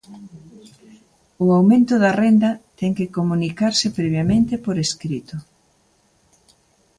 O aumento da renda ten que comunicarse previamente e por escrito.